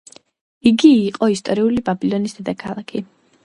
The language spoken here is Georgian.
იგი იყო ისტორიული ბაბილონეთის დედაქალაქი.